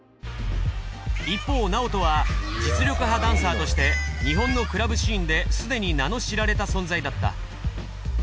一方ＮＡＯＴＯは実力派ダンサーとして日本のクラブシーンですでに名の知られた存在だった。